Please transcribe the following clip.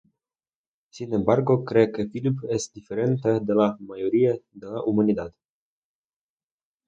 Sin embargo, cree que Philip es diferente de la mayoría de la humanidad.